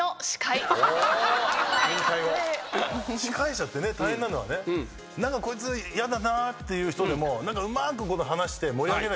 司会者って大変なのはね何かこいつ嫌だなっていう人でもうまく話して盛り上げなきゃいけないじゃないですか。